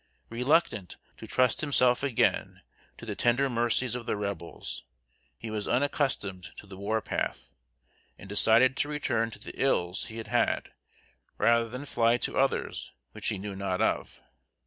Reluctant to trust himself again to the tender mercies of the Rebels, he was unaccustomed to the war path, and decided to return to the ills he had, rather than fly to others which he knew not of.